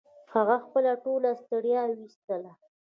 هغه خپله ټوله ستړيا و ایستله